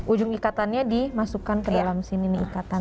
ujung ikatannya dimasukkan ke dalam sini nih ikatan